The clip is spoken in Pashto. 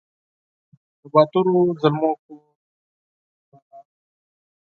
د باتورو زلمو کور فراه !